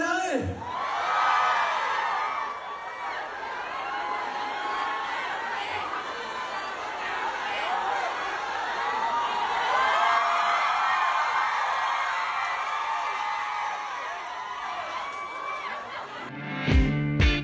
ชุดขวดน้องขึ้นมา